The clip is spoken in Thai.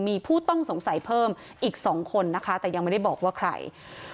มีผู้ต้องสงสัยเพิ่มอีก๒คนนะคะแต่ยังไม่ได้บอกว่าใคร